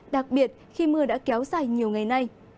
đặc biệt khi mưa đã kéo dài nhiều ngày nay